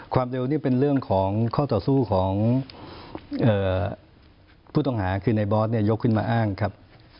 ความเร็วนี่เป็นเรื่องของข้อต่อสู้ของผู้ต้องหาคือในบอสเนี่ยยกขึ้นมาอ้างครับ